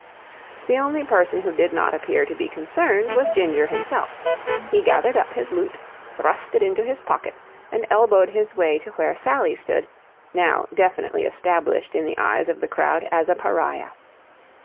The only person who did not appear to be concerned was Ginger himself. He gathered up his loot, thrust it into his pocket, and elbowed his way to where Sally stood, now definitely established in the eyes of the crowd as a pariah.